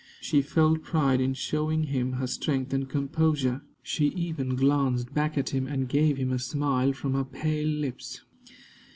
She felt pride in showing him her strength and composure. She even glanced back at him, and gave him a smile from her pale lips.